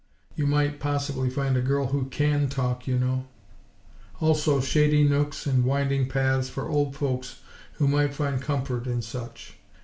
(You might, possibly, find a girl who can talk, you know!); also shady nooks and winding paths for old folks who might find comfort in such.